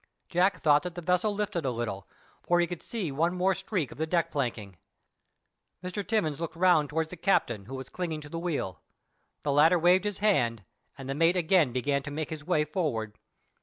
Jack thought that the vessel lifted a little, for he could see one more streak of the deck planking. Mr. Timmins looked round towards the captain, who was clinging to the wheel. The latter waved his hand, and the mate again began to make his way forward.